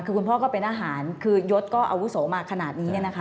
คือคุณพ่อก็เป็นอาหารยศก็อาวุโสมาขนาดนี้